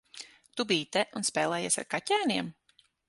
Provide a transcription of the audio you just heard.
Tu biji te un spēlējies ar kaķēniem?